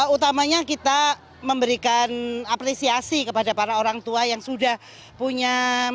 utamanya kita memberikan apresiasi kepada para orang tua yang sudah punya